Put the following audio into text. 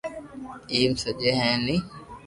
ايم سڄي ھي ني